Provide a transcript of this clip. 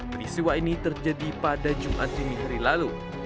perisiwa ini terjadi pada jumat ini hari lalu